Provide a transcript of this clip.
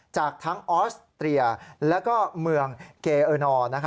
จากทั้งออสเตรียและเมืองเกเออร์นอร์